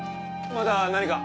まだ何か？